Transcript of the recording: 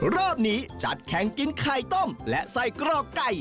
รอบนี้จัดแข่งกินไข่ต้มและไส้กรอกไก่